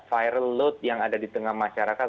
viral load yang ada di tengah masyarakat